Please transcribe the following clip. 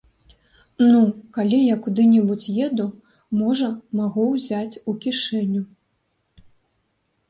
Ну, калі я куды-небудзь еду, можа, магу ўзяць у кішэню.